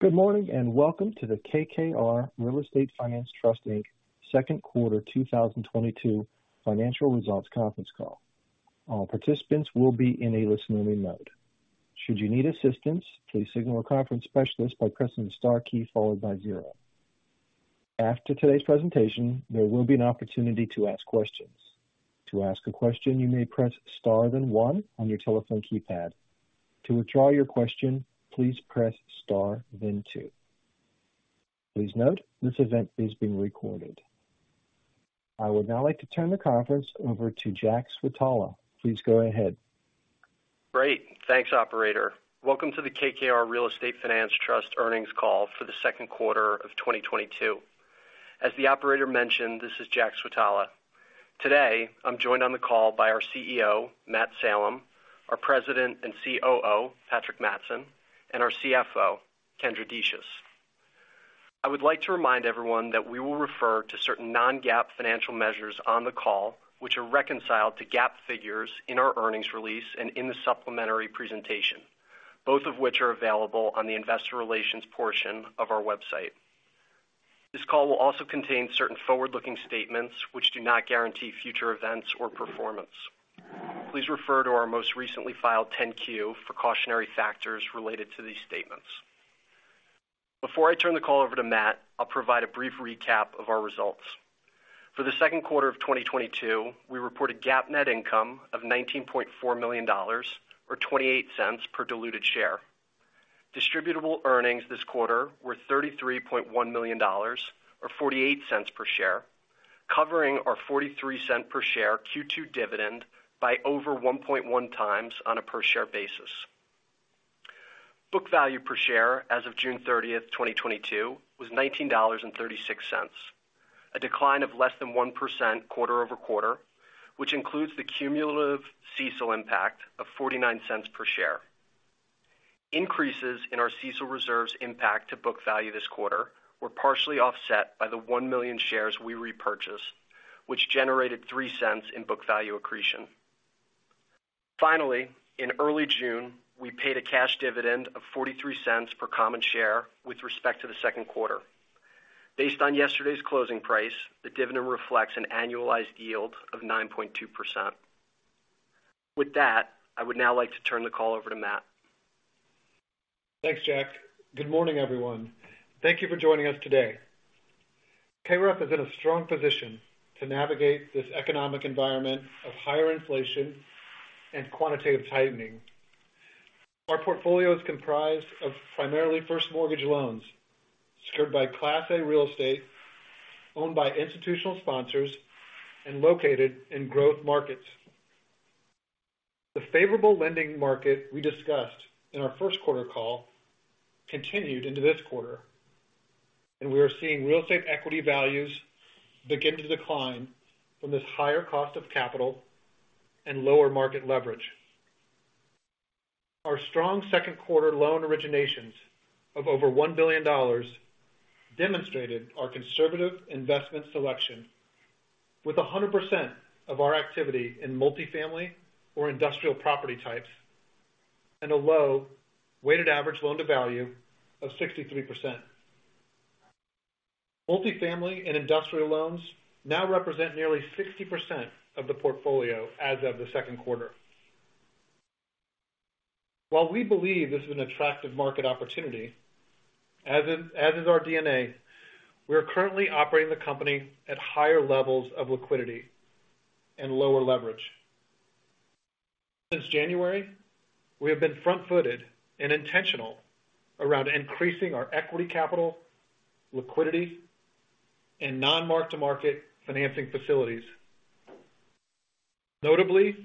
Good morning, and welcome to the KKR Real Estate Finance Trust Inc second quarter 2022 financial results conference call. All participants will be in a listen-only mode. Should you need assistance, please signal our conference specialist by pressing the star key followed by zero. After today's presentation, there will be an opportunity to ask questions. To ask a question, you may press star then one on your telephone keypad. To withdraw your question, please press star then two. Please note, this event is being recorded. I would now like to turn the conference over to Jack Switala. Please go ahead. Great. Thanks, operator. Welcome to the KKR Real Estate Finance Trust earnings call for the second quarter of 2022. As the operator mentioned, this is Jack Switala. Today, I'm joined on the call by our CEO, Matt Salem, our President and COO, Patrick Mattson, and our CFO, Kendra Decious. I would like to remind everyone that we will refer to certain non-GAAP financial measures on the call, which are reconciled to GAAP figures in our earnings release and in the supplementary presentation, both of which are available on the investor relations portion of our website. This call will also contain certain forward-looking statements which do not guarantee future events or performance. Please refer to our most recently filed 10-Q for cautionary factors related to these statements. Before I turn the call over to Matt, I'll provide a brief recap of our results. For the second quarter of 2022, we reported GAAP net income of $19.4 million or $0.28 per diluted share. Distributable earnings this quarter were $33.1 million or $0.48 per share, covering our $0.43 per share Q2 dividend by over 1.1x on a per share basis. Book value per share as of June 30, 2022 was $19.36, a decline of less than 1% quarter-over-quarter, which includes the cumulative CECL impact of $0.49 per share. Increases in our CECL reserves impact to book value this quarter were partially offset by the 1 million shares we repurchased, which generated $0.03 in book value accretion. Finally, in early June, we paid a cash dividend of $0.43 per common share with respect to the second quarter. Based on yesterday's closing price, the dividend reflects an annualized yield of 9.2%. With that, I would now like to turn the call over to Matt. Thanks, Jack. Good morning, everyone. Thank you for joining us today. KREF is in a strong position to navigate this economic environment of higher inflation and quantitative tightening. Our portfolio is comprised of primarily first mortgage loans secured by Class A real estate, owned by institutional sponsors, and located in growth markets. The favorable lending market we discussed in our first quarter call continued into this quarter, and we are seeing real estate equity values begin to decline from this higher cost of capital and lower market leverage. Our strong second quarter loan originations of over $1 billion demonstrated our conservative investment selection with 100% of our activity in multifamily or industrial property types and a low weighted average loan-to-value of 63%. Multifamily and industrial loans now represent nearly 60% of the portfolio as of the second quarter. While we believe this is an attractive market opportunity, as is our DNA, we are currently operating the company at higher levels of liquidity and lower leverage. Since January, we have been front-footed and intentional around increasing our equity capital, liquidity, and non-mark-to-market financing facilities. Notably,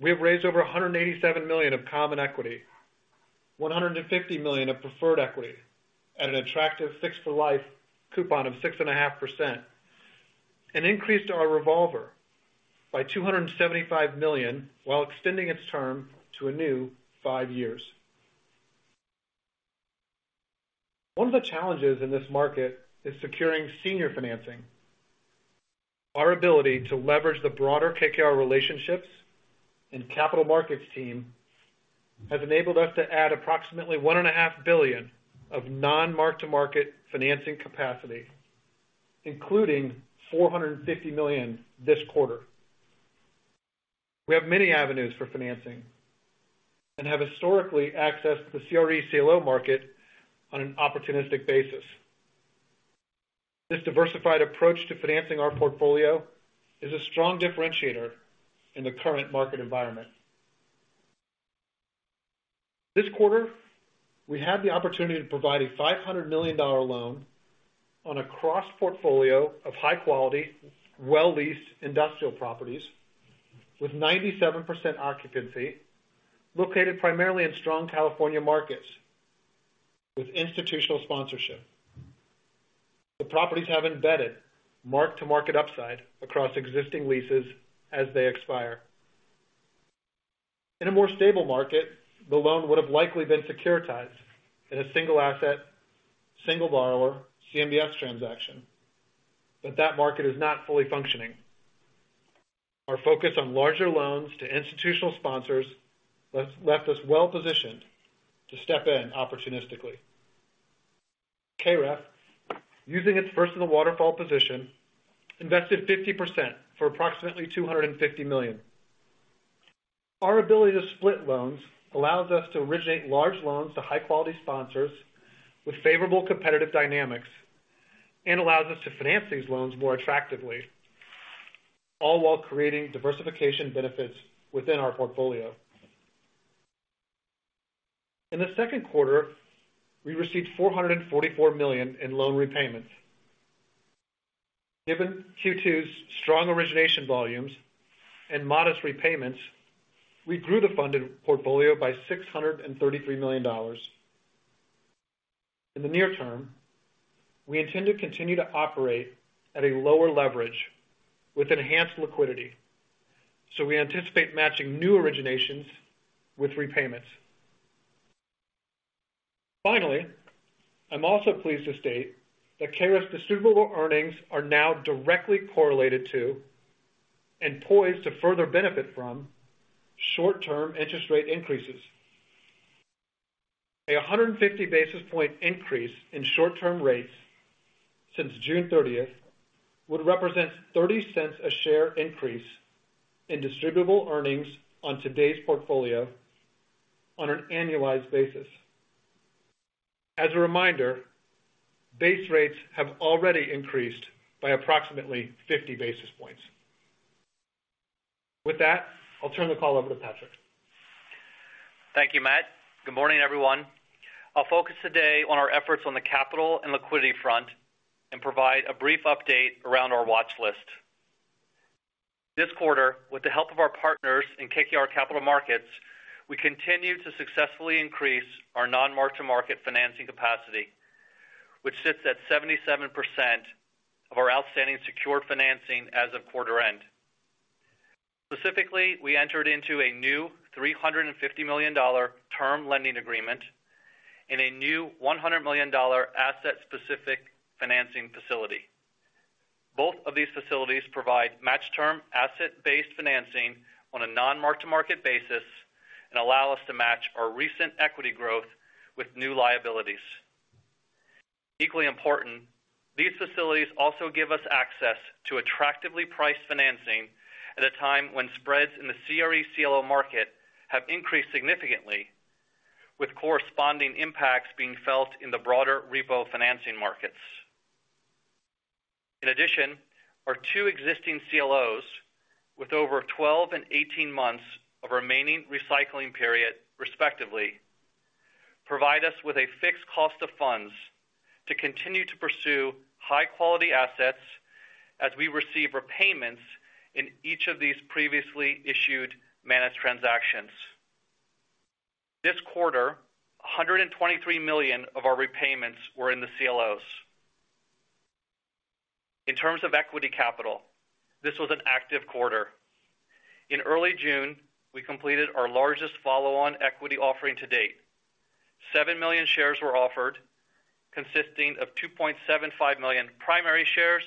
we have raised over $187 million of common equity, $150 million of preferred equity at an attractive fixed-for-life coupon of 6.5%, and increased our revolver by $275 million while extending its term to a new five years. One of the challenges in this market is securing senior financing. Our ability to leverage the broader KKR relationships and Capital Markets team has enabled us to add approximately $1.5 billion of non-mark-to-market financing capacity, including $450 million this quarter. We have many avenues for financing and have historically accessed the CRE CLO market on an opportunistic basis. This diversified approach to financing our portfolio is a strong differentiator in the current market environment. This quarter, we had the opportunity to provide a $500 million loan on a cross-portfolio of high quality, well-leased industrial properties with 97% occupancy located primarily in strong California markets with institutional sponsorship. The properties have embedded mark-to-market upside across existing leases as they expire. In a more stable market, the loan would have likely been securitized in a single asset, single borrower CMBS transaction. That market is not fully functioning. Our focus on larger loans to institutional sponsors has left us well positioned to step in opportunistically. KREF, using its first of the waterfall position, invested 50% for approximately $250 million. Our ability to split loans allows us to originate large loans to high quality sponsors with favorable competitive dynamics and allows us to finance these loans more attractively, all while creating diversification benefits within our portfolio. In the second quarter, we received $444 million in loan repayments. Given Q2's strong origination volumes and modest repayments, we grew the funded portfolio by $633 million. In the near-term, we intend to continue to operate at a lower leverage with enhanced liquidity, so we anticipate matching new originations with repayments. Finally, I'm also pleased to state that KREF distributable earnings are now directly correlated to and poised to further benefit from short-term interest rate increases. A 150 basis point increase in short-term rates since June 30th would represent $0.30 a share increase in distributable earnings on today's portfolio on an annualized basis. As a reminder, base rates have already increased by approximately 50 basis points. With that, I'll turn the call over to Patrick. Thank you, Matt. Good morning, everyone. I'll focus today on our efforts on the capital and liquidity front and provide a brief update around our watch list. This quarter, with the help of our partners in KKR Capital Markets, we continue to successfully increase our non-mark-to-market financing capacity, which sits at 77% of our outstanding secured financing as of quarter end. Specifically, we entered into a new $350 million term lending agreement in a new $100 million asset-specific financing facility. Both of these facilities provide matched-term asset-based financing on a non-mark-to-market basis and allow us to match our recent equity growth with new liabilities. Equally important, these facilities also give us access to attractively priced financing at a time when spreads in the CRE CLO market have increased significantly, with corresponding impacts being felt in the broader repo financing markets. In addition, our two existing CLOs, with over 12 and 18 months of remaining recycling period, respectively, provide us with a fixed cost of funds to continue to pursue high-quality assets as we receive repayments in each of these previously issued managed transactions. This quarter, $123 million of our repayments were in the CLOs. In terms of equity capital, this was an active quarter. In early June, we completed our largest follow-on equity offering to date. 7 million shares were offered, consisting of 2.75 million primary shares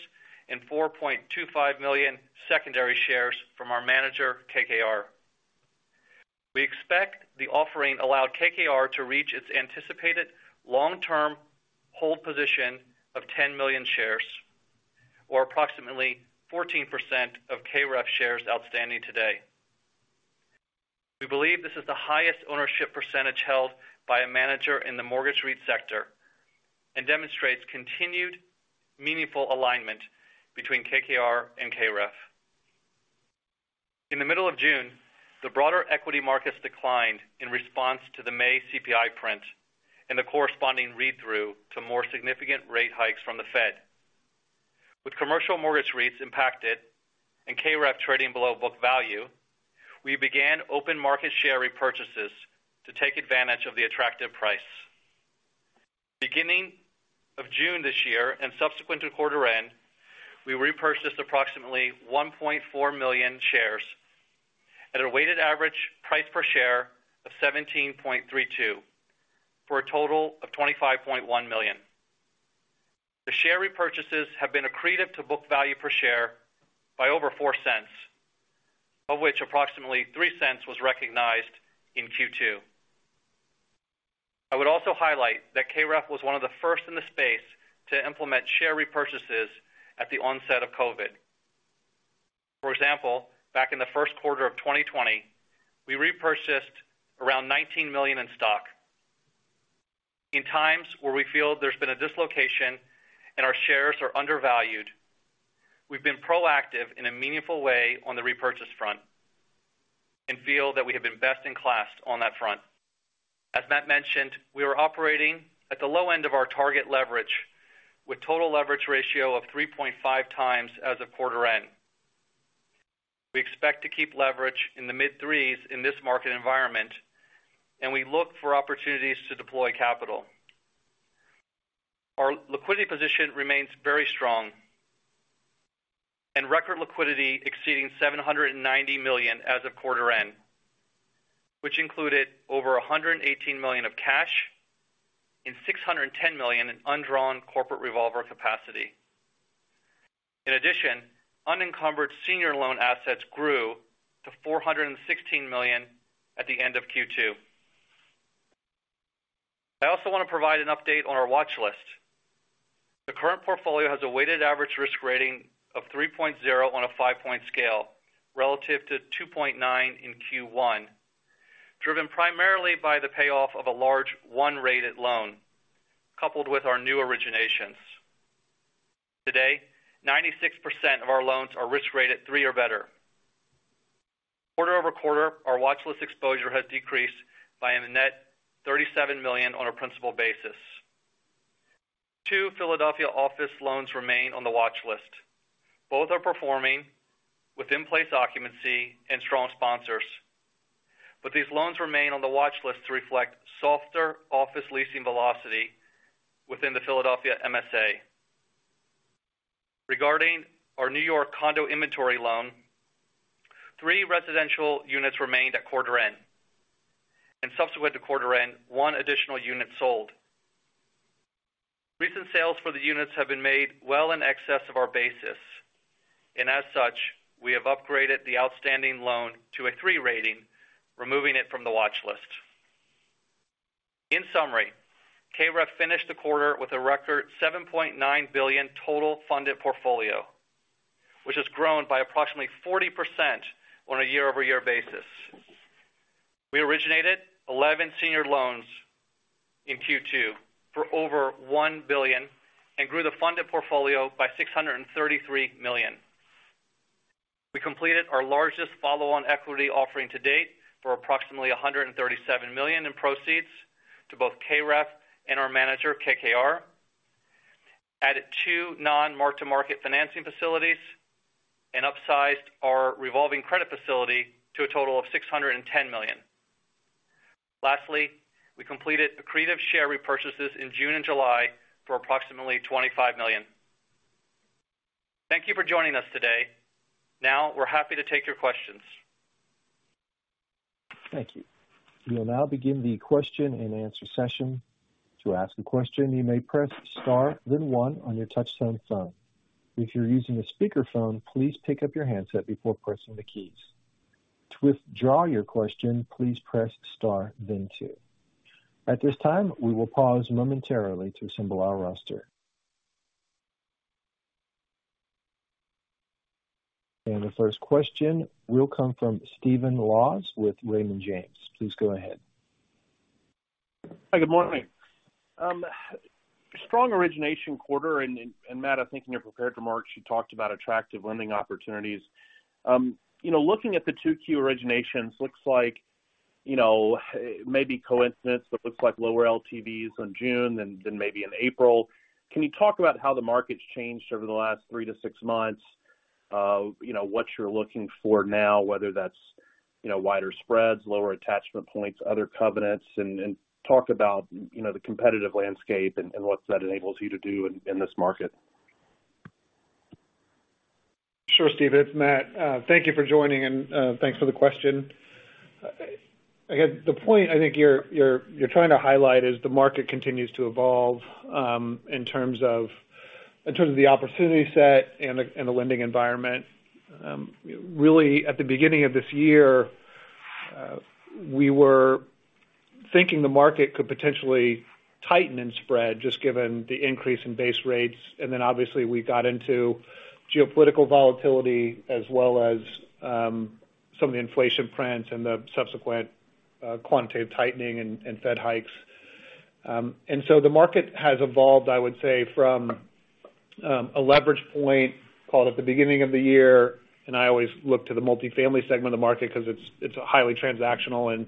and 4.25 million secondary shares from our manager, KKR. We expect the offering allowed KKR to reach its anticipated long-term hold position of 10 million shares or approximately 14% of KREF shares outstanding today. We believe this is the highest ownership percentage held by a manager in the mortgage REIT sector and demonstrates continued meaningful alignment between KKR and KREF. In the middle of June, the broader equity markets declined in response to the May CPI print and the corresponding read-through to more significant rate hikes from the Fed. With commercial mortgage rates impacted and KREF trading below book value, we began open market share repurchases to take advantage of the attractive price. Beginning of June this year and subsequent to quarter end, we repurchased approximately 1.4 million shares at a weighted average price per share of $17.32 for a total of $25.1 million. The share repurchases have been accretive to book value per share by over $0.04, of which approximately $0.03 was recognized in Q2. I would also highlight that KREF was one of the first in the space to implement share repurchases at the onset of COVID. For example, back in the first quarter of 2020, we repurchased around $19 million in stock. In times where we feel there's been a dislocation and our shares are undervalued, we've been proactive in a meaningful way on the repurchase front and feel that we have been best in class on that front. As Matt mentioned, we are operating at the low end of our target leverage with total leverage ratio of 3.5x as of quarter end. We expect to keep leverage in the mid-3s in this market environment, and we look for opportunities to deploy capital. Our liquidity position remains very strong and record liquidity exceeding $790 million as of quarter end. Which included over $118 million of cash and $610 million in undrawn corporate revolver capacity. In addition, unencumbered senior loan assets grew to $416 million at the end of Q2. I also wanna provide an update on our watch list. The current portfolio has a weighted average risk rating of 3.0 on a five-point scale relative to 2.9 in Q1, driven primarily by the payoff of a large one-rated loan, coupled with our new originations. Today, 96% of our loans are risk rated 3 or better. Quarter-over-quarter, our watch list exposure has decreased by a net $37 million on a principal basis. Two Philadelphia office loans remain on the watch list. Both are performing with in-place occupancy and strong sponsors. These loans remain on the watch list to reflect softer office leasing velocity within the Philadelphia MSA. Regarding our New York condo inventory loan, three residential units remained at quarter end, and subsequent to quarter end, one additional unit sold. Recent sales for the units have been made well in excess of our basis, and as such, we have upgraded the outstanding loan to a three rating, removing it from the watch list. In summary, KREF finished the quarter with a record $7.9 billion total funded portfolio, which has grown by approximately 40% on a year-over-year basis. We originated 11 senior loans in Q2 for over $1 billion and grew the funded portfolio by $633 million. We completed our largest follow-on equity offering to date for approximately $137 million in proceeds to both KREF and our manager, KKR, added two non-mark-to-market financing facilities and upsized our revolving credit facility to a total of $610 million. Lastly, we completed accretive share repurchases in June and July for approximately $25 million. Thank you for joining us today. Now, we're happy to take your questions. Thank you. We will now begin the question-and-answer session. To ask a question, you may press star then one on your touchtone phone. If you're using a speakerphone, please pick up your handset before pressing the keys. To withdraw your question, please press star then two. At this time, we will pause momentarily to assemble our roster. The first question will come from Stephen Laws with Raymond James. Please go ahead. Hi, good morning. Strong origination quarter and, Matt, I think in your prepared remarks, you talked about attractive lending opportunities. You know, looking at the 2Q originations, looks like, you know, it may be coincidence, but looks like lower LTVs in June than maybe in April. Can you talk about how the market's changed over the last three to six months? You know, what you're looking for now, whether that's, you know, wider spreads, lower attachment points, other covenants, and talk about, you know, the competitive landscape and what that enables you to do in this market. Sure, Stephen. It's Matt. Thank you for joining and thanks for the question. Again, the point I think you're trying to highlight is the market continues to evolve, in terms of the opportunity set and the lending environment. Really at the beginning of this year, we were thinking the market could potentially tighten and spread just given the increase in base rates. Obviously we got into geopolitical volatility as well as some of the inflation prints and the subsequent quantitative tightening and Fed hikes. The market has evolved, I would say, from a leverage point, call it, at the beginning of the year, and I always look to the multifamily segment of market 'cause it's highly transactional and,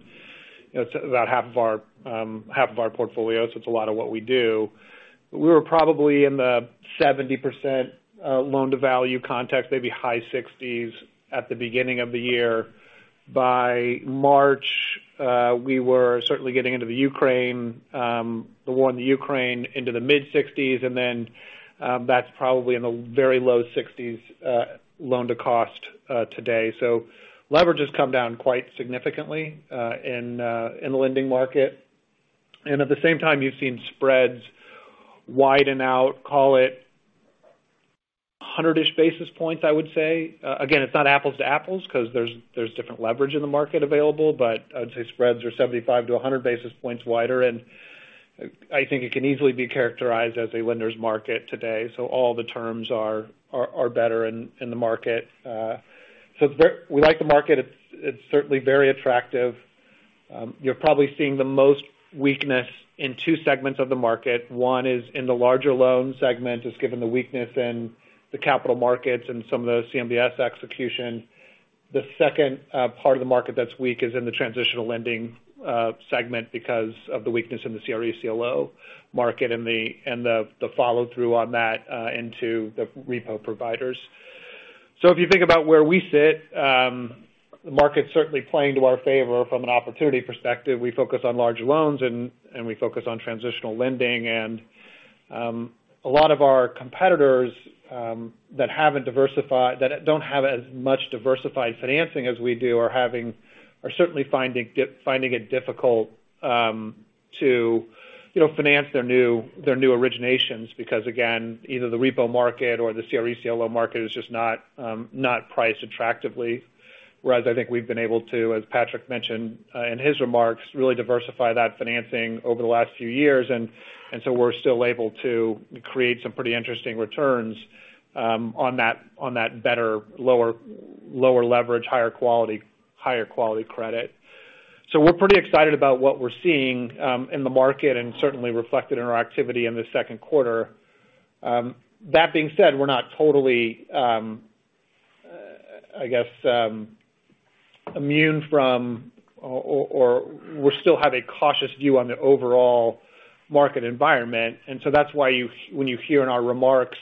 you know, it's about half of our portfolio, so it's a lot of what we do. We were probably in the 70% loan-to-value context, maybe high 60s at the beginning of the year. By March, we were certainly getting into the war in Ukraine into the mid-60s, and then that's probably in the very low 60s loan-to-cost today. Leverage has come down quite significantly in the lending market. At the same time, you've seen spreads widen out, call it 100-ish basis points, I would say. Again, it's not apples to apples 'cause there's different leverage in the market available, but I'd say spreads are 75-100 basis points wider. I think it can easily be characterized as a lender's market today. All the terms are better in the market. We like the market. It's certainly very attractive. You're probably seeing the most weakness in two segments of the market. One is in the larger loan segment, just given the weakness in the capital markets and some of the CMBS execution. The second part of the market that's weak is in the transitional lending segment because of the weakness in the CRE CLO market and the follow-through on that into the repo providers. If you think about where we sit, the market's certainly playing to our favor from an opportunity perspective. We focus on large loans and we focus on transitional lending, and a lot of our competitors that don't have as much diversified financing as we do are certainly finding it difficult, you know, to finance their new originations because again, either the repo market or the CRE CLO market is just not priced attractively. Whereas I think we've been able to, as Patrick mentioned, in his remarks, really diversify that financing over the last few years. We're still able to create some pretty interesting returns on that better, lower leverage, higher quality credit. We're pretty excited about what we're seeing in the market and certainly reflected in our activity in the second quarter. That being said, we're not totally, I guess, immune from or we still have a cautious view on the overall market environment. That's why when you hear in our remarks,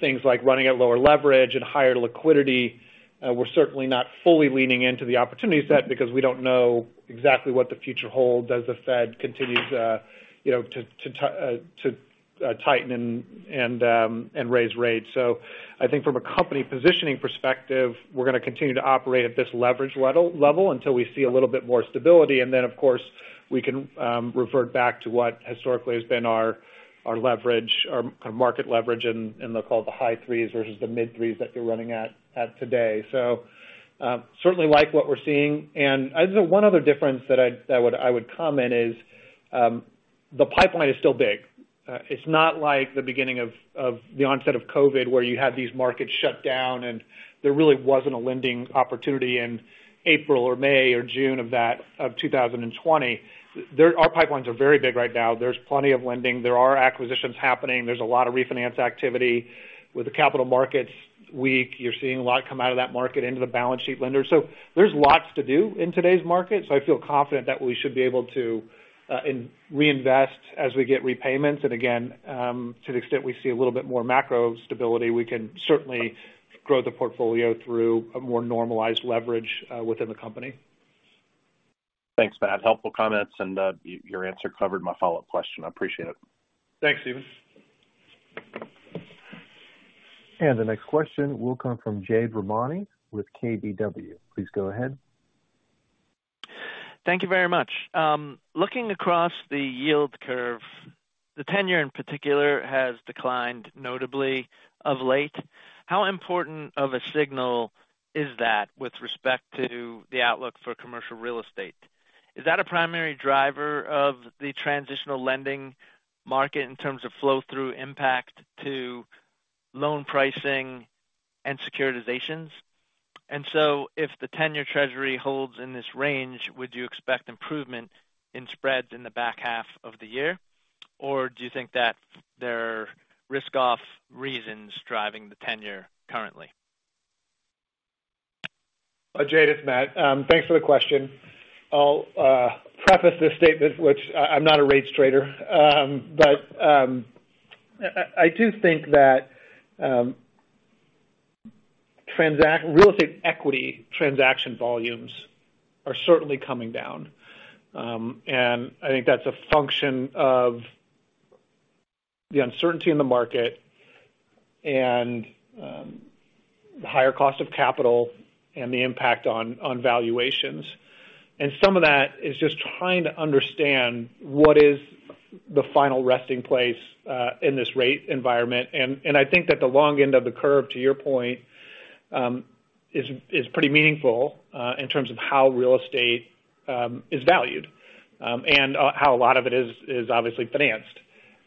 things like running at lower leverage and higher liquidity, we're certainly not fully leaning into the opportunity set because we don't know exactly what the future holds as the Fed continues, you know, to tighten and raise rates. I think from a company positioning perspective, we're gonna continue to operate at this leverage level until we see a little bit more stability. Of course, we can revert back to what historically has been our leverage or kind of market leverage in what they call the high 3s versus the mid-3s that you're running at today. Certainly like what we're seeing. One other difference that I would comment is the pipeline is still big. It's not like the beginning of the onset of COVID, where you had these markets shut down, and there really wasn't a lending opportunity in April or May or June of that of 2020. Our pipelines are very big right now. There's plenty of lending. There are acquisitions happening. There's a lot of refinance activity. With the capital markets weak, you're seeing a lot come out of that market into the balance sheet lender. There's lots to do in today's market. I feel confident that we should be able to reinvest as we get repayments. Again, to the extent we see a little bit more macro stability, we can certainly grow the portfolio through a more normalized leverage within the company. Thanks, Matt. Helpful comments, and, your answer covered my follow-up question. I appreciate it. Thanks, Stephen. The next question will come from Jade Rahmani with KBW. Please go ahead. Thank you very much. Looking across the yield curve, the 10-year in particular has declined notably of late. How important of a signal is that with respect to the outlook for commercial real estate? Is that a primary driver of the transitional lending market in terms of flow-through impact to loan pricing and securitizations? If the 10-year treasury holds in this range, would you expect improvement in spreads in the back half of the year? Do you think that there are risk-off reasons driving the 10-year currently? Jade, it's Matt. Thanks for the question. I'll preface this statement, which I'm not a rates trader. But I do think that real estate equity transaction volumes are certainly coming down. I think that's a function of the uncertainty in the market and the higher cost of capital and the impact on valuations. Some of that is just trying to understand what is the final resting place in this rate environment. I think that the long end of the curve, to your point, is pretty meaningful in terms of how real estate is valued and how a lot of it is obviously financed.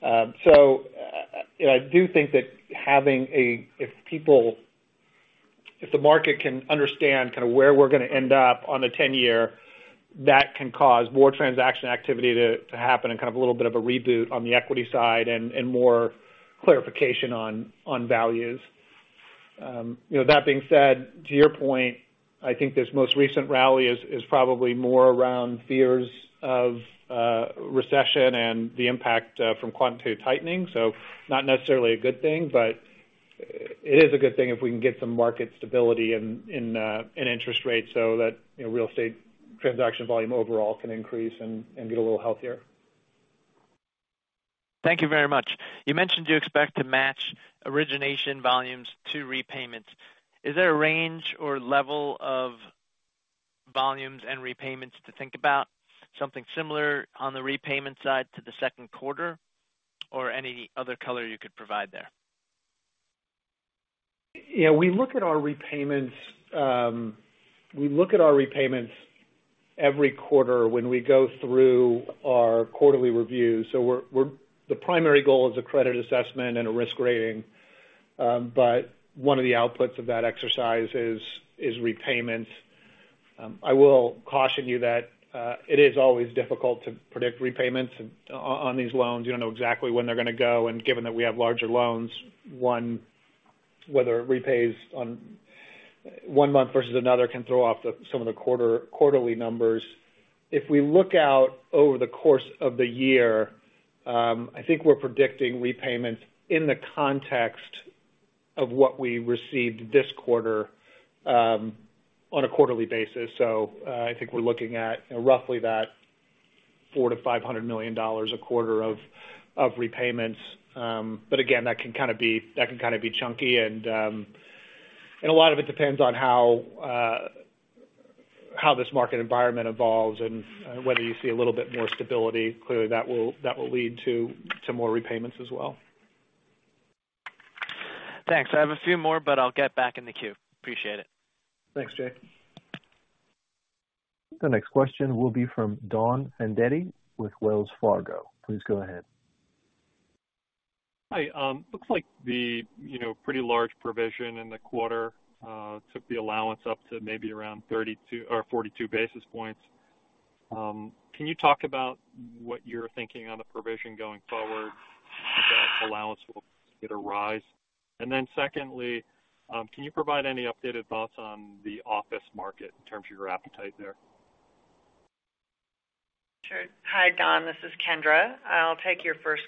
You know, I do think that if the market can understand kind of where we're gonna end up on the 10-year, that can cause more transaction activity to happen and kind of a little bit of a reboot on the equity side and more clarification on values. You know, that being said, to your point, I think this most recent rally is probably more around fears of recession and the impact from quantitative tightening. Not necessarily a good thing, but it is a good thing if we can get some market stability in interest rates so that, you know, real estate transaction volume overall can increase and get a little healthier. Thank you very much. You mentioned you expect to match origination volumes to repayments. Is there a range or level of volumes and repayments to think about something similar on the repayment side to the second quarter or any other color you could provide there? Yeah. We look at our repayments every quarter when we go through our quarterly review. The primary goal is a credit assessment and a risk rating, but one of the outputs of that exercise is repayments. I will caution you that it is always difficult to predict repayments on these loans. You don't know exactly when they're gonna go. Given that we have larger loans, one whether it repays on one month versus another can throw off some of the quarterly numbers. If we look out over the course of the year, I think we're predicting repayments in the context of what we received this quarter on a quarterly basis. I think we're looking at roughly that $400 million-$500 million a quarter of repayments. Again, that can kind of be chunky and a lot of it depends on how this market environment evolves and whether you see a little bit more stability. Clearly, that will lead to some more repayments as well. Thanks. I have a few more, but I'll get back in the queue. Appreciate it. Thanks, Jade. The next question will be from Don Fandetti with Wells Fargo. Please go ahead. Hi. Looks like, you know, the pretty large provision in the quarter took the allowance up to maybe around 32 or 42 basis points. Can you talk about what you're thinking on the provision going forward? If that allowance will get a rise. Then secondly, can you provide any updated thoughts on the office market in terms of your appetite there? Sure. Hi, Don, this is Kendra. I'll take your first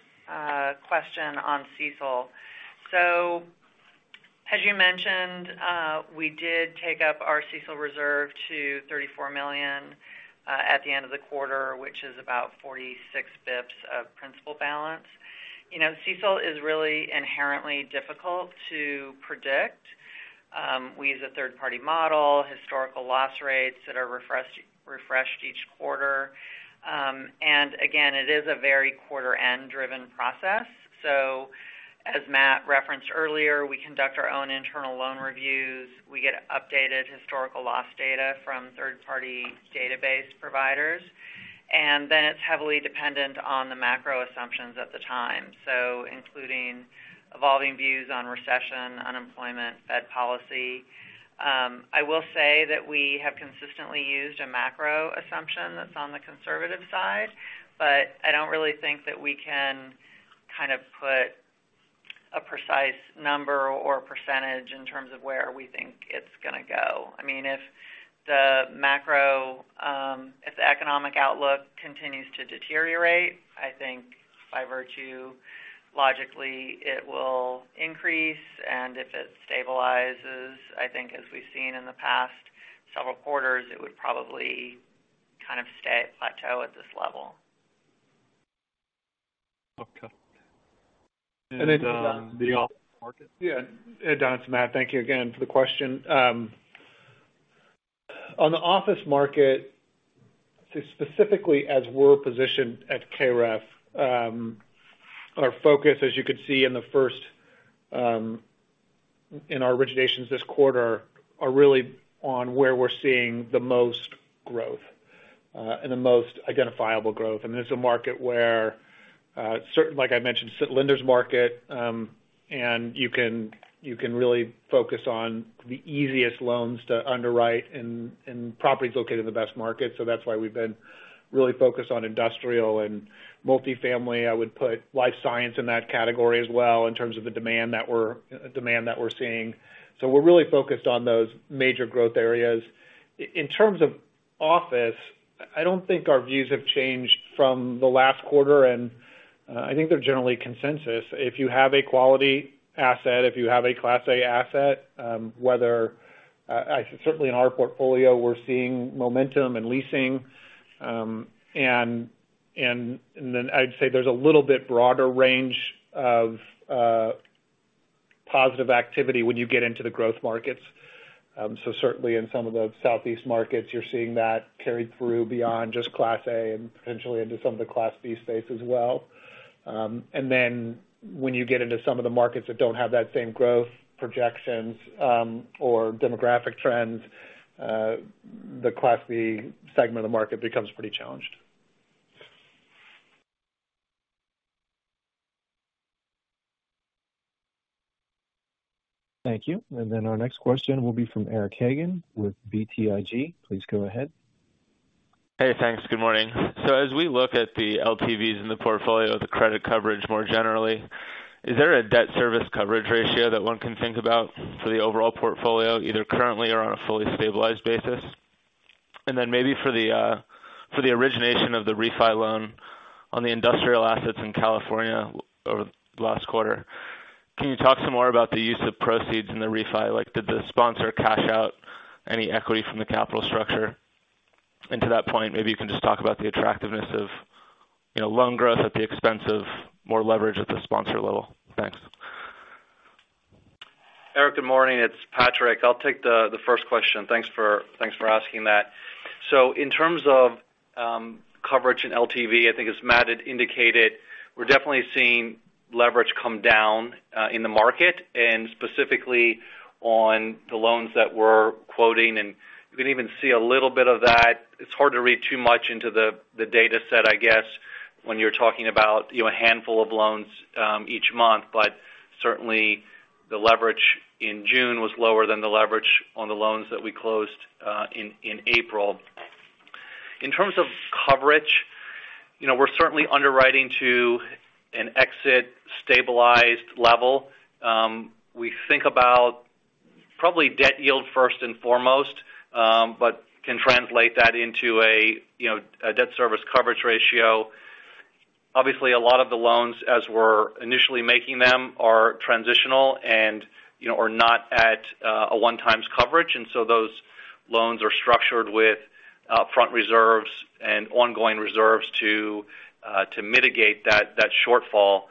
question on CECL. As you mentioned, we did take up our CECL reserve to $34 million at the end of the quarter, which is about 46 basis points of principal balance. You know, CECL is really inherently difficult to predict. We use a third-party model, historical loss rates that are refreshed each quarter. Again, it is a very quarter-end driven process. As Matt referenced earlier, we conduct our own internal loan reviews. We get updated historical loss data from third-party database providers, and then it's heavily dependent on the macro assumptions at the time. Including evolving views on recession, unemployment, Fed policy. I will say that we have consistently used a macro assumption that's on the conservative side, but I don't really think that we can kind of put a precise number or percentage in terms of where we think it's gonna go. I mean, if the macro, if the economic outlook continues to deteriorate, I think by virtue, logically, it will increase. If it stabilizes, I think as we've seen in the past several quarters, it would probably kind of stay at plateau at this level. Okay. The office market? Don, it's Matt. Thank you again for the question. On the office market, specifically as we're positioned at KREF, our focus, as you could see in the first in our originations this quarter, are really on where we're seeing the most growth, and the most identifiable growth. I mean, it's a market where certain like I mentioned, it's lender's market, and you can really focus on the easiest loans to underwrite and properties located in the best market. That's why we've been really focused on industrial and multifamily. I would put life science in that category as well in terms of the demand that we're seeing. We're really focused on those major growth areas. In terms of office, I don't think our views have changed from the last quarter, and I think they're generally consensus. If you have a quality asset, if you have a Class A asset, whether certainly in our portfolio, we're seeing momentum and leasing. And then I'd say there's a little bit broader range of positive activity when you get into the growth markets. Certainly in some of the Southeast markets, you're seeing that carried through beyond just Class A and potentially into some of the Class B space as well. When you get into some of the markets that don't have that same growth projections or demographic trends, the Class B segment of the market becomes pretty challenged. Thank you. Our next question will be from Eric Hagen with BTIG. Please go ahead. Hey, thanks. Good morning. As we look at the LTVs in the portfolio, the credit coverage more generally, is there a debt service coverage ratio that one can think about for the overall portfolio, either currently or on a fully stabilized basis? Then maybe for the origination of the refi loan on the industrial assets in California over the last quarter, can you talk some more about the use of proceeds in the refi? Like, did the sponsor cash out any equity from the capital structure? To that point, maybe you can just talk about the attractiveness of, you know, loan growth at the expense of more leverage at the sponsor level. Thanks. Eric, good morning. It's Patrick. I'll take the first question. Thanks for asking that. In terms of coverage in LTV, I think as Matt had indicated, we're definitely seeing leverage come down in the market and specifically on the loans that we're quoting. You can even see a little bit of that. It's hard to read too much into the data set, I guess, when you're talking about a handful of loans each month. Certainly, the leverage in June was lower than the leverage on the loans that we closed in April. In terms of coverage, you know, we're certainly underwriting to an exit stabilized level. We think about probably debt yield first and foremost, but can translate that into a debt service coverage ratio. Obviously, a lot of the loans as we're initially making them are transitional and, you know, are not at a 1x coverage. Those loans are structured with front reserves and ongoing reserves to mitigate that shortfall.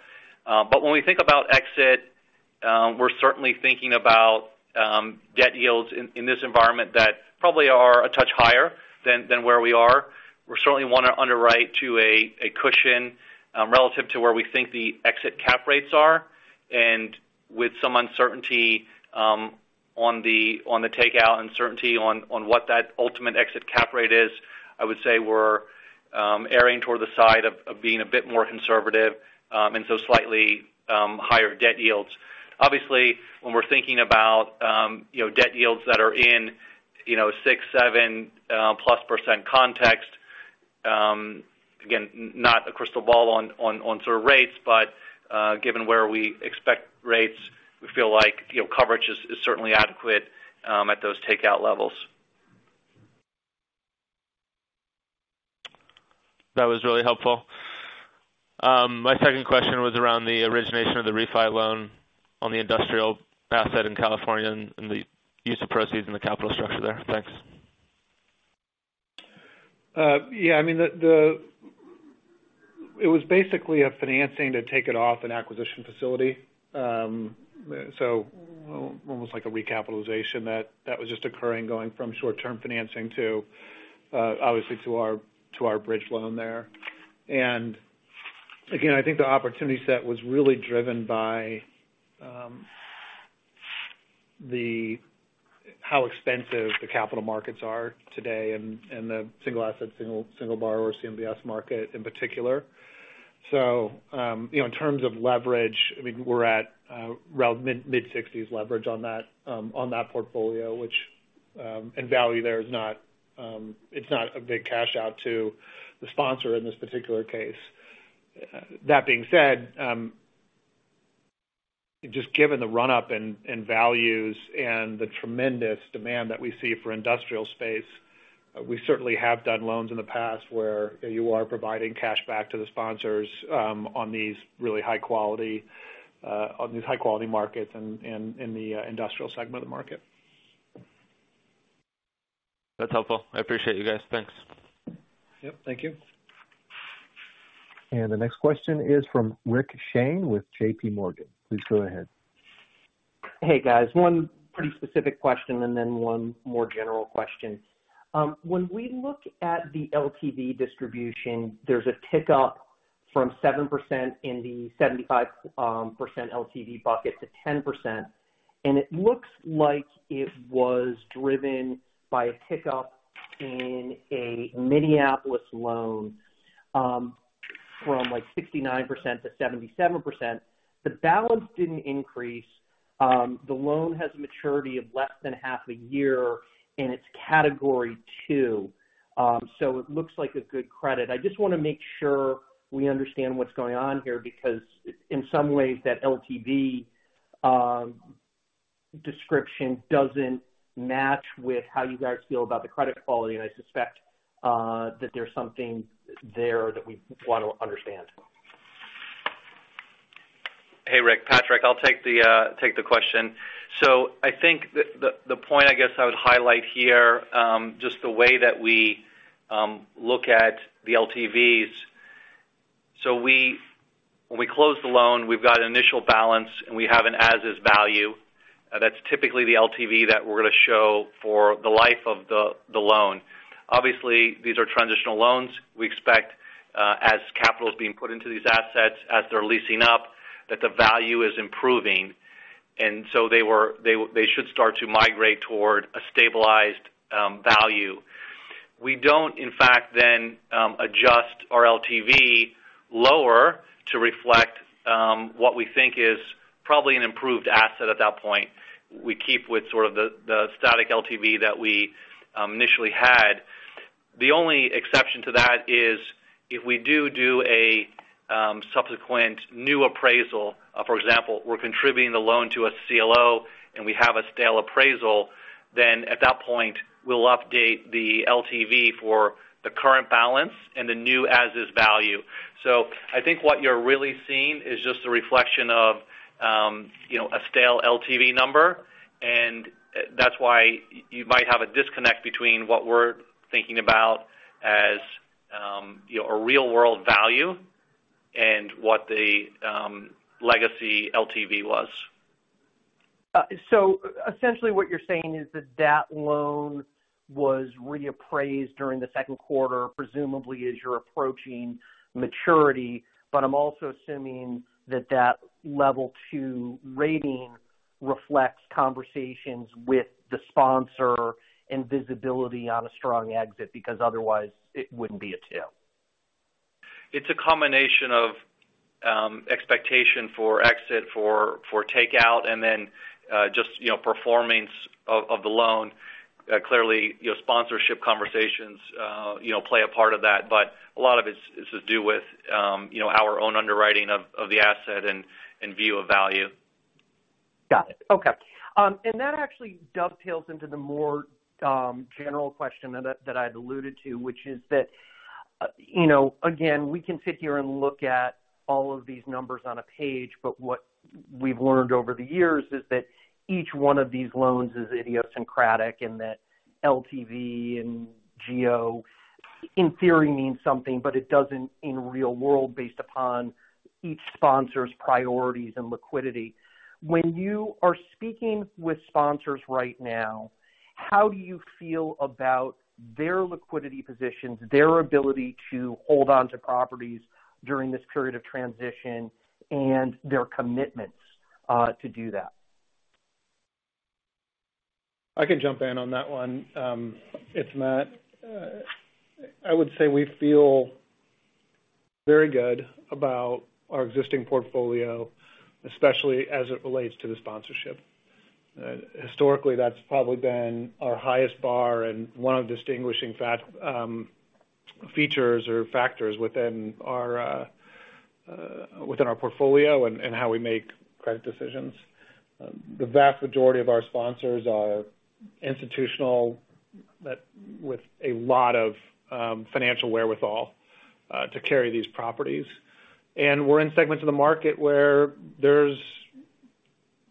When we think about exit, we're certainly thinking about debt yields in this environment that probably are a touch higher than where we are. We certainly wanna underwrite to a cushion relative to where we think the exit cap rates are. With some uncertainty on the takeout, uncertainty on what that ultimate exit cap rate is, I would say we're erring toward the side of being a bit more conservative, and so slightly higher debt yields. Obviously, when we're thinking about, you know, debt yields that are in, you know, 6%, 7%+ context, again, not a crystal ball on sort of rates, but given where we expect rates, we feel like, you know, coverage is certainly adequate at those takeout levels. That was really helpful. My second question was around the origination of the refi loan on the industrial asset in California and the use of proceeds in the capital structure there. Thanks. Yeah. I mean, the It was basically a financing to take it off an acquisition facility. Almost like a recapitalization that was just occurring going from short-term financing to obviously to our bridge loan there. Again, I think the opportunity set was really driven by how expensive the capital markets are today and the single asset single borrower CMBS market in particular. You know, in terms of leverage, I mean, we're at around mid-60s leverage on that on that portfolio, which and value there is not it's not a big cash out to the sponsor in this particular case. That being said, just given the run-up in values and the tremendous demand that we see for industrial space, we certainly have done loans in the past where you are providing cash back to the sponsors on these high-quality markets and in the industrial segment of the market. That's helpful. I appreciate you guys. Thanks. Yep. Thank you. The next question is from Rick Shane with JPMorgan. Please go ahead. Hey, guys. One pretty specific question and then one more general question. When we look at the LTV distribution, there's a tick up from 7% in the 75% LTV bucket to 10%. It looks like it was driven by a tick up in a Minneapolis loan, from like 69% to 77%. The balance didn't increase. The loan has a maturity of less than half a year, and it's Category 2. It looks like a good credit. I just wanna make sure we understand what's going on here because in some ways that LTV description doesn't match with how you guys feel about the credit quality. I suspect that there's something there that we wanna understand. Hey, Rick. Patrick. I'll take the question. I think the point I guess I would highlight here, just the way that we look at the LTVs. When we close the loan, we've got an initial balance, and we have an as is value. That's typically the LTV that we're gonna show for the life of the loan. Obviously, these are transitional loans. We expect as capital is being put into these assets, as they're leasing up, that the value is improving. They should start to migrate toward a stabilized value. We don't, in fact, then adjust our LTV lower to reflect what we think is probably an improved asset at that point. We keep with sort of the static LTV that we initially had. The only exception to that is if we do a subsequent new appraisal, for example, we're contributing the loan to a CLO, and we have a stale appraisal, then at that point, we'll update the LTV for the current balance and the new as is value. I think what you're really seeing is just a reflection of, you know, a stale LTV number, and that's why you might have a disconnect between what we're thinking about as, you know, a real-world value and what the legacy LTV was. Essentially what you're saying is that that loan was reappraised during the second quarter, presumably as you're approaching maturity, but I'm also assuming that that level two rating reflects conversations with the sponsor and visibility on a strong exit because otherwise it wouldn't be a two. It's a combination of expectation for exit for takeout and then just, you know, performance of the loan. Clearly, you know, sponsorship conversations, you know, play a part of that, but a lot of it is to do with, you know, our own underwriting of the asset and view of value. Got it. Okay. That actually dovetails into the more general question that I'd alluded to, which is that, you know, again, we can sit here and look at all of these numbers on a page, but what we've learned over the years is that each one of these loans is idiosyncratic, and that LTV and Geo, in theory, means something, but it doesn't in real world based upon each sponsor's priorities and liquidity. When you are speaking with sponsors right now, how do you feel about their liquidity positions, their ability to hold onto properties during this period of transition and their commitments to do that? I can jump in on that one. It's Matt. I would say we feel very good about our existing portfolio, especially as it relates to the sponsorship. Historically, that's probably been our highest bar and one of the distinguishing features or factors within our portfolio and how we make credit decisions. The vast majority of our sponsors are institutional with a lot of financial wherewithal to carry these properties. We're in segments of the market where there's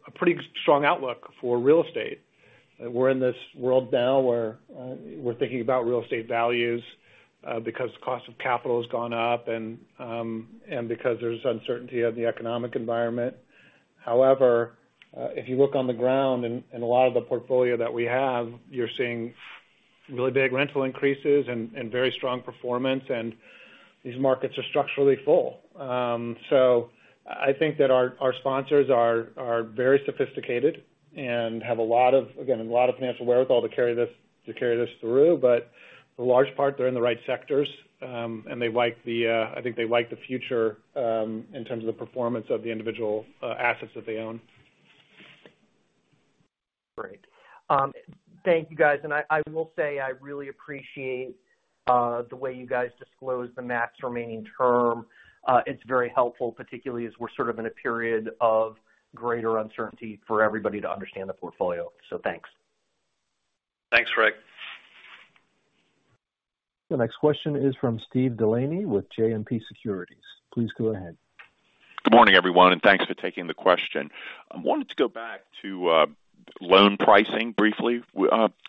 a pretty strong outlook for real estate. We're in this world now where we're thinking about real estate values because cost of capital has gone up and because there's uncertainty in the economic environment. However, if you look on the ground in a lot of the portfolio that we have, you're seeing really big rental increases and very strong performance, and these markets are structurally full. I think that our sponsors are very sophisticated and have a lot of financial wherewithal to carry this through. For the large part, they're in the right sectors, and I think they like the future in terms of the performance of the individual assets that they own. Great. Thank you, guys. I will say I really appreciate the way you guys disclose the max remaining term. It's very helpful, particularly as we're sort of in a period of greater uncertainty for everybody to understand the portfolio. Thanks. Thanks, Rick. The next question is from Steve DeLaney with JMP Securities. Please go ahead. Good morning, everyone, and thanks for taking the question. I wanted to go back to loan pricing briefly.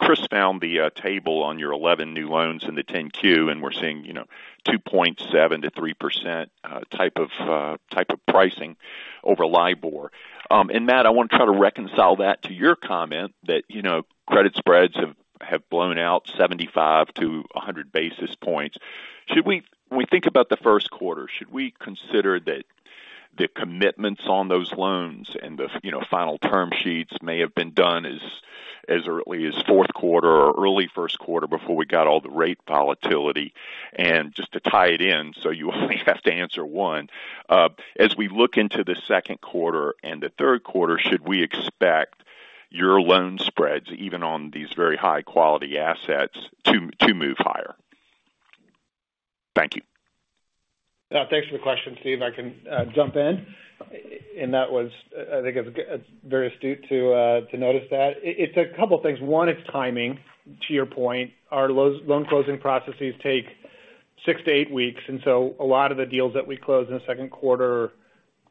Chris found the table on your 11 new loans in the 10-Q, and we're seeing, you know, 2.7%-3% type of pricing over LIBOR. And Matt, I wanna try to reconcile that to your comment that, you know, credit spreads have blown out 75-100 basis points. When we think about the first quarter, should we consider that the commitments on those loans and the final term sheets may have been done as early as fourth quarter or early first quarter before we got all the rate volatility? Just to tie it in, so you only have to answer one. As we look into the second quarter and the third quarter, should we expect your loan spreads, even on these very high-quality assets to move higher? Thank you. Yeah. Thanks for the question, Steve. I can jump in. That was, I think it's very astute to notice that. It's a couple things. One, it's timing, to your point. Our loan closing processes take six to eight weeks, and so a lot of the deals that we closed in the second quarter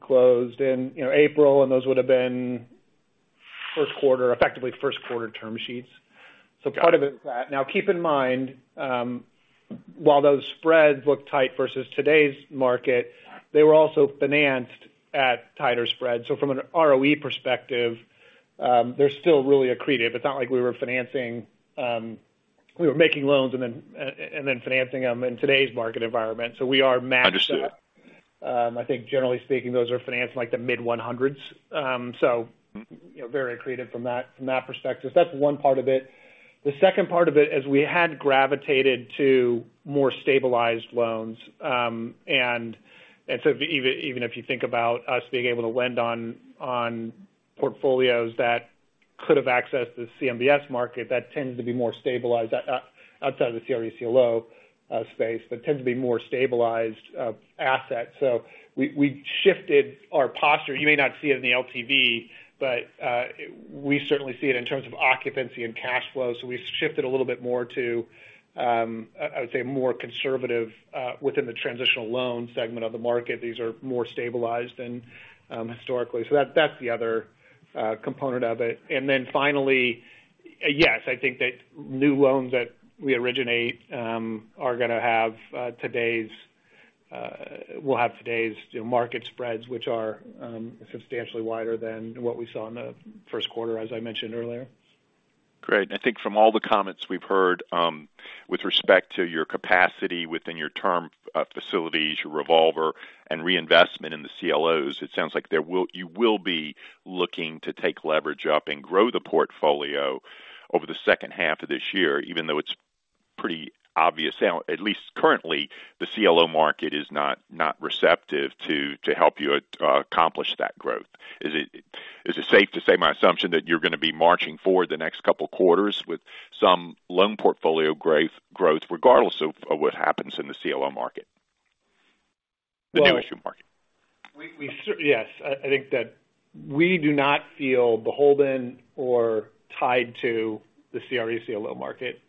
closed in, you know, April, and those would've been first quarter, effectively first quarter term sheets. Got it. Part of it is that. Now, keep in mind, while those spreads look tight versus today's market, they were also financed at tighter spreads. From an ROE perspective, they're still really accretive. It's not like we were financing, we were making loans and then, and then financing them in today's market environment. We are matched up. Understood. I think generally speaking, those are financed in like the mid-100s. You know, very accretive from that perspective. That's one part of it. The second part of it, as we had gravitated to more stabilized loans, even if you think about us being able to lend on portfolios that could have accessed the CMBS market, that tends to be more stabilized outside of the CRE CLO space, but tends to be more stabilized assets. We shifted our posture. You may not see it in the LTV, but we certainly see it in terms of occupancy and cash flow. We shifted a little bit more to, I would say more conservative within the transitional loan segment of the market. These are more stabilized than historically. That's the other component of it. Then finally, yes, I think that new loans that we originate will have today's market spreads, which are substantially wider than what we saw in the first quarter, as I mentioned earlier. Great. I think from all the comments we've heard, with respect to your capacity within your term facilities, your revolver and reinvestment in the CLOs, it sounds like you will be looking to take leverage up and grow the portfolio over the second half of this year, even though it's pretty obvious how, at least currently, the CLO market is not receptive to help you accomplish that growth. Is it safe to say my assumption that you're gonna be marching forward the next couple quarters with some loan portfolio growth regardless of what happens in the CLO market? The new issue market. I think that we do not feel beholden or tied to the CRE CLO market.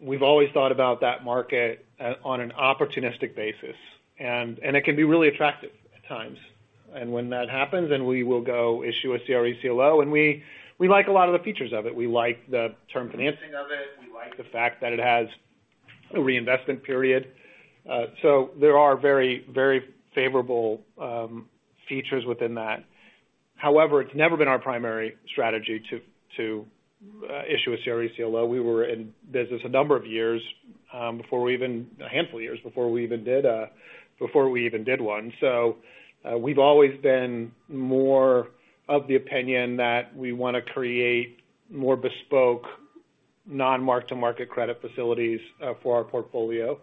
We've always thought about that market on an opportunistic basis. It can be really attractive at times. When that happens, then we will go issue a CRE CLO. We like a lot of the features of it. We like the term financing of it. We like the fact that it has a reinvestment period. There are very favorable features within that. However, it's never been our primary strategy to issue a CRE CLO. We were in business a number of years, a handful of years, before we even did one. We've always been more of the opinion that we wanna create more bespoke non-mark-to-market credit facilities for our portfolio.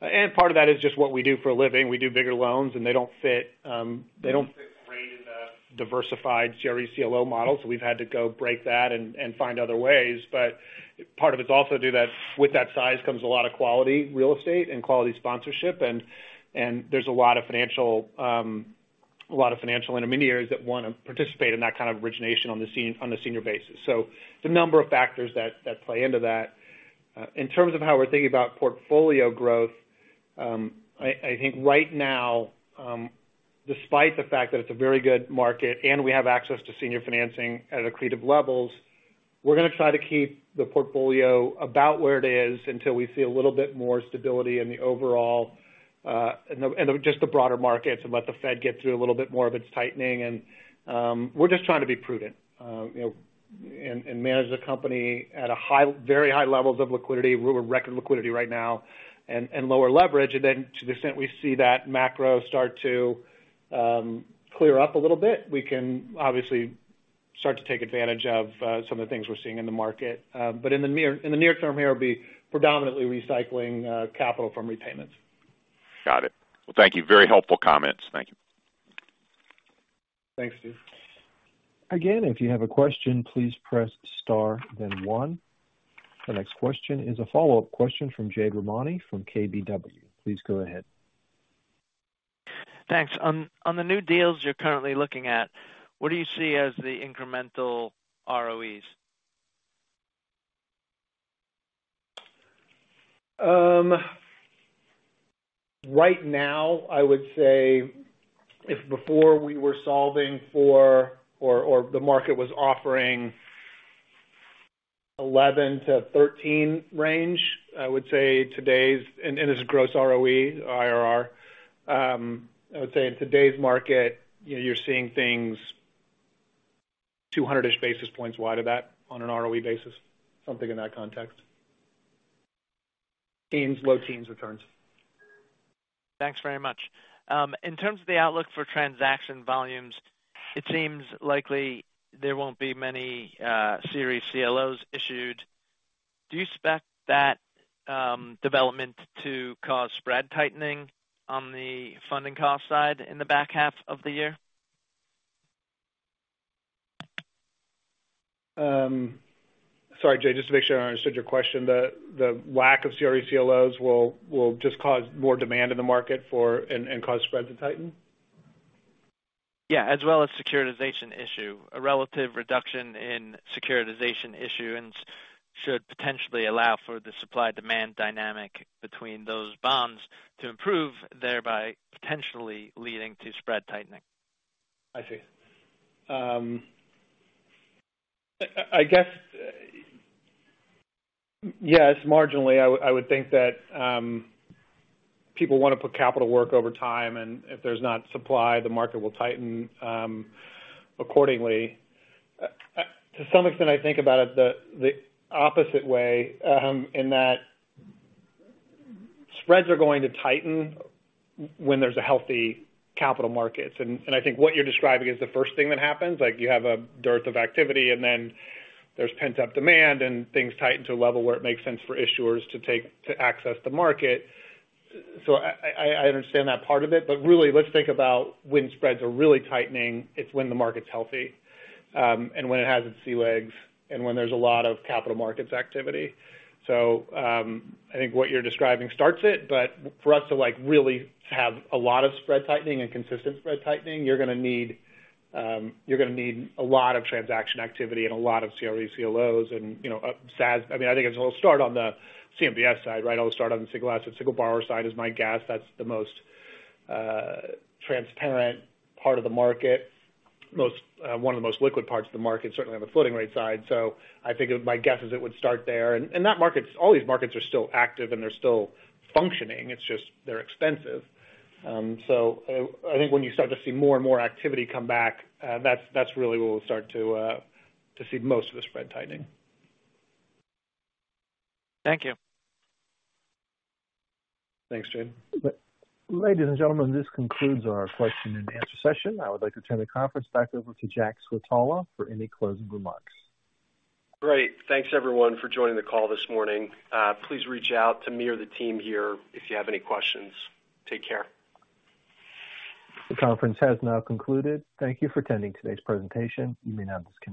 Part of that is just what we do for a living. We do bigger loans, and they don't fit great in the diversified CRE CLO model. We've had to go break that and find other ways. Part of it is also due to that with that size comes a lot of quality real estate and quality sponsorship. There's a lot of financial intermediaries that wanna participate in that kind of origination on the senior basis. There's a number of factors that play into that. In terms of how we're thinking about portfolio growth, I think right now, despite the fact that it's a very good market and we have access to senior financing at accretive levels, we're gonna try to keep the portfolio about where it is until we see a little bit more stability in the overall broader markets and let the Fed get through a little bit more of its tightening. We're just trying to be prudent, you know, and manage the company at very high levels of liquidity. We're at record liquidity right now and lower leverage. Then, to the extent we see that macro start to clear up a little bit, we can obviously start to take advantage of some of the things we're seeing in the market. In the near-term here, it'll be predominantly recycling capital from repayments. Got it. Well, thank you. Very helpful comments. Thank you. Thanks, Steve. Again, if you have a question, please press star then one. The next question is a follow-up question from Jade Rahmani from KBW. Please go ahead. Thanks. On the new deals you're currently looking at, what do you see as the incremental ROEs? Right now I would say if before we were solving for or the market was offering 11-13 range, I would say today's this is gross ROE, IRR. I would say in today's market, you know, you're seeing things 200-ish basis points wide of that on an ROE basis, something in that context. Teens, low teens returns. Thanks very much. In terms of the outlook for transaction volumes, it seems likely there won't be many CRE CLOs issued. Do you expect that development to cause spread tightening on the funding cost side in the back half of the year? Sorry, Jade, just to make sure I understood your question. The lack of CRE CLOs will just cause more demand in the market and cause spreads to tighten? Yeah, as well as securitization issue. A relative reduction in securitization issuance should potentially allow for the supply-demand dynamic between those bonds to improve, thereby potentially leading to spread tightening. I see. Yes, marginally, I would think that people wanna put capital to work over time, and if there's no supply, the market will tighten accordingly. To some extent, I think about it the opposite way, in that spreads are going to tighten when there's a healthy capital markets. I think what you're describing is the first thing that happens, like you have a dearth of activity, and then there's pent-up demand, and things tighten to a level where it makes sense for issuers to access the market. I understand that part of it, but really let's think about when spreads are really tightening, it's when the market's healthy, and when it has its sea legs and when there's a lot of capital markets activity. I think what you're describing starts it, but for us to like really have a lot of spread tightening and consistent spread tightening, you're gonna need a lot of transaction activity and a lot of CRE CLOs and, you know, SASB. I mean, I think it'll start on the CMBS side, right? It'll start on the single asset, single borrower side is my guess. That's the most transparent part of the market. One of the most liquid parts of the market, certainly on the floating rate side. I think my guess is it would start there. And that market's. All these markets are still active, and they're still functioning. It's just they're expensive. I think when you start to see more and more activity come back, that's really where we'll start to see most of the spread tightening. Thank you. Thanks, Jade. Ladies and gentlemen, this concludes our question-and-answer session. I would like to turn the conference back over to Jack Switala for any closing remarks. Great. Thanks everyone for joining the call this morning. Please reach out to me or the team here if you have any questions. Take care. The conference has now concluded. Thank you for attending today's presentation. You may now disconnect.